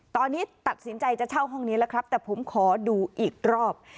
ตอนนี้ตัดสินใจจะเช่าห้องนี้แล้วครับแต่ผมขอดูอีกรอบ